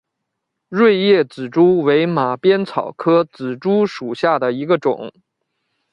锐叶紫珠为马鞭草科紫珠属下的一个种。